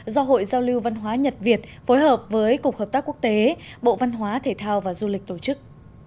do hội giao lưu văn hóa nhật việt phối hợp với cục hợp tác quốc tế bộ văn hóa thể thao và du lịch tổ chức